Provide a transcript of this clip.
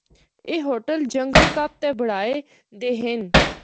A hotel جنگل کپ تے بنڑائے دے ہن۔